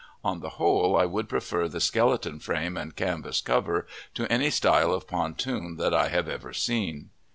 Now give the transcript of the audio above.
On the whole, I would prefer the skeleton frame and canvas cover to any style of pontoon that I have ever seen.